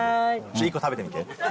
１個食べてみて。